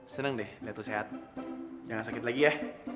seneng deh liat lo sehat jangan sakit lagi ya